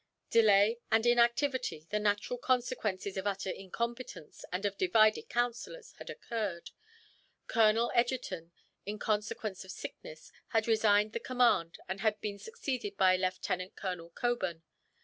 Delay and inactivity, the natural consequences of utter incompetence and of divided councillors, had occurred. Colonel Egerton, in consequence of sickness, had resigned the command; and had been succeeded by Lieutenant Colonel Cockburn.